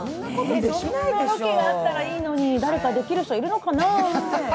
そんなロケがあったらいいのに、誰かできる人、いるのかな？